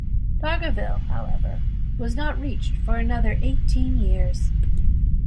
Dargaville, however, was not reached for another eighteen years.